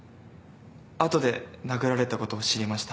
後で殴られたことを知りました。